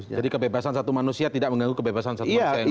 jadi kebebasan satu manusia tidak mengganggu kebebasan satu manusia yang lain